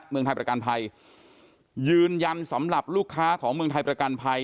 เมืองไทยประกันภัยยืนยันสำหรับลูกค้าของเมืองไทยประกันภัย